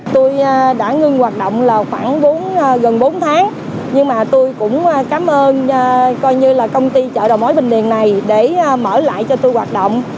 tôi đã ngưng hoạt động khoảng gần bốn tháng nhưng mà tôi cũng cảm ơn công ty chợ đầu mối bình điên này để mở lại cho tôi hoạt động